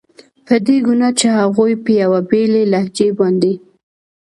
په دې ګناه چې هغوی په یوې بېلې لهجې باندې.